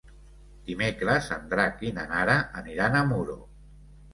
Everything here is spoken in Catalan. Dimecres en Drac i na Nara aniran a Muro.